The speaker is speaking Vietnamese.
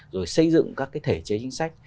rồi xây dựng các cái thể chế chính sách